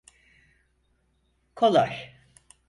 Kolay.